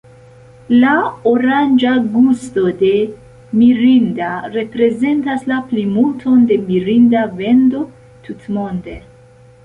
La oranĝa gusto de "Mirinda" reprezentas la plimulton de Mirinda vendo tutmonde.